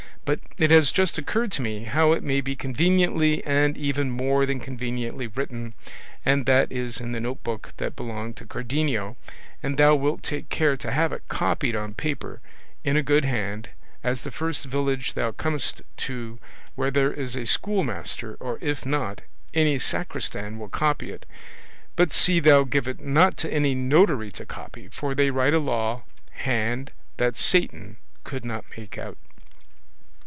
But it has just occurred to me how it may be conveniently and even more than conveniently written, and that is in the note book that belonged to Cardenio, and thou wilt take care to have it copied on paper, in a good hand, at the first village thou comest to where there is a schoolmaster, or if not, any sacristan will copy it; but see thou give it not to any notary to copy, for they write a law hand that Satan could not make out."